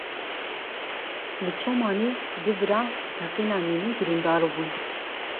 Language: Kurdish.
Li Çomanê du bira bi teqîna mînê birîndar bûn.